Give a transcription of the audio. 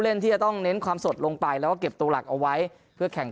ที่จะต้องเน้นความสดลงไปแล้วก็เก็บตัวหลักเอาไว้เพื่อแข่ง